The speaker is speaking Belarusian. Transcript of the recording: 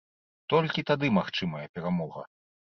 Толькі тады магчымая перамога.